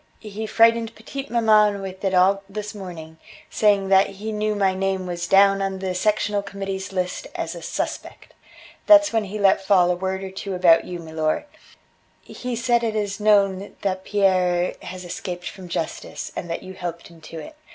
"He frightened petite maman with it all this morning, saying that he knew my name was down on the Sectional Committee's list as a 'suspect.' That's when he let fall a word or two about you, milor. He said it is known that Pierre has escaped from justice, and that you helped him to it.